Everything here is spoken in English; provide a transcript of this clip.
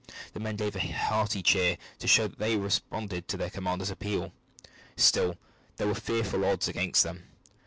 The men gave a hearty cheer, to show that they responded to their commander's appeal. Still there were fearful odds against them.